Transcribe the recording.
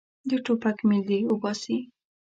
د ټوپک میل دې وباسي.